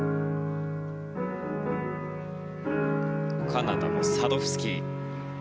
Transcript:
カナダのサドフスキー。